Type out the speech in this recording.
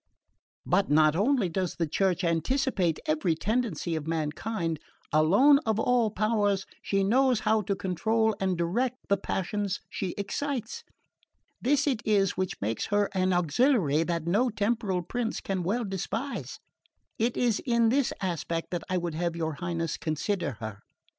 "But not only does the Church anticipate every tendency of mankind; alone of all powers she knows how to control and direct the passions she excites. This it is which makes her an auxiliary that no temporal prince can well despise. It is in this aspect that I would have your Highness consider her.